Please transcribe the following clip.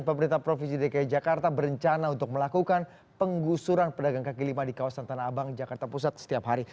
pemerintah provinsi dki jakarta berencana untuk melakukan penggusuran pedagang kaki lima di kawasan tanah abang jakarta pusat setiap hari